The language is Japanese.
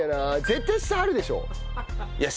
絶対下あるでしょ？